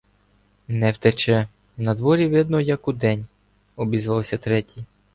— Не втече! Надворі видно як удень, — обізвався третій.